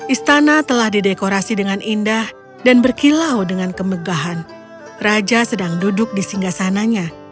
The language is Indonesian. istana telah didekorasi dengan indah dan berkilau dengan kemegahan raja sedang duduk di singgah sananya